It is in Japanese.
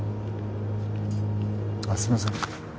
あっすいません。